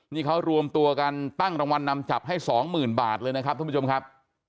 นี่เขารวมตัวกันตั้งรางวัลนำจับให้๒๐๐๐บาทเลยนะครับท่านผู้ชมครับ